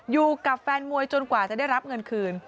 อยู่กับแฟนมวยจนกว่าจะได้รับเงินคืน